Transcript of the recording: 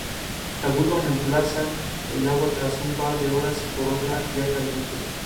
Algunos reemplazan el agua tras un par de horas por otra ya caliente.